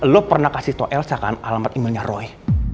lu pernah kasih tau elsa kan alamat emailnya roy